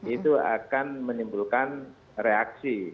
itu akan menimbulkan reaksi